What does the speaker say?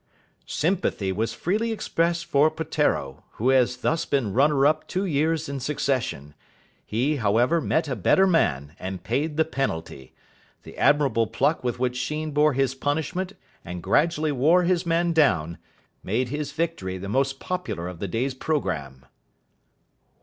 "Sympathy was freely expressed for Peteiro, who has thus been runner up two years in succession. He, however, met a better man, and paid the penalty. The admirable pluck with which Sheen bore his punishment and gradually wore his man down made his victory the most popular of the day's programme."